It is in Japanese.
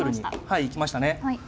はい行きましたね。